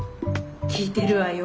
聞いてるわよ